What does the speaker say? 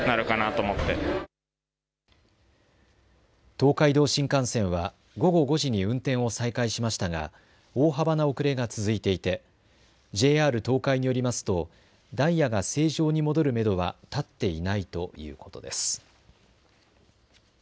東海道新幹線は午後５時に運転を再開しましたが大幅な遅れが続いていてＪＲ東海によりますとダイヤが正常に戻るめどは立っていないということです。